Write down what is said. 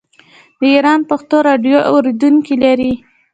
د ایران پښتو راډیو اوریدونکي لري.